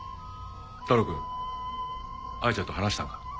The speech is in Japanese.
太郎くん彩ちゃんと話したんか？